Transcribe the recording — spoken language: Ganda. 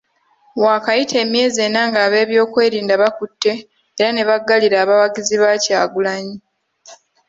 Waakayita emyezi ena ng'ab'ebyokwerinda bakutte era ne baggalira abawagizi ba Kyagulanyi.